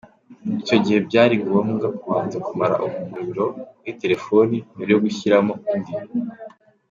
Icyo gihe byari ngombwa kubanza kumara umuriro muri telefoni mbere yo gusyiramo undi.